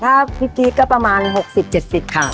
ถ้าพี่จี๊ดก็ประมาณ๖๐๗๐ค่ะ